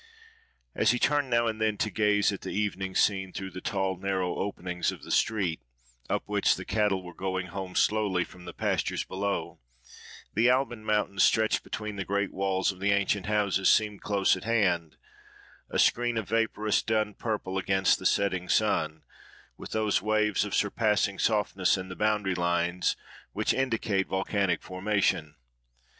As he turned now and then to gaze at the evening scene through the tall narrow openings of the street, up which the cattle were going home slowly from the pastures below, the Alban mountains, stretched between the great walls of the ancient houses, seemed close at hand—a screen of vaporous dun purple against the setting sun—with those waves of surpassing softness in the boundary lines which indicate volcanic formation.